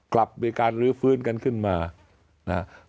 กลับมีการลื้อฟื้นกันขึ้นมานะครับ